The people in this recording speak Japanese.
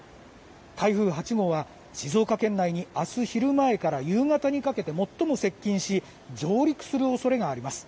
台風８号は静岡県内に明日昼ぐらいから夕方にかけて最も接近し上陸する恐れがあります。